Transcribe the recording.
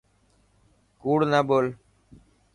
ڪوڙ نه ٻول.